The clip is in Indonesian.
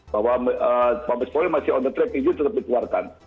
bahwa mabes polri masih on the track itu tetap dikeluarkan